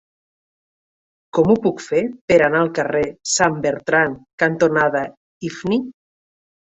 Com ho puc fer per anar al carrer Sant Bertran cantonada Ifni?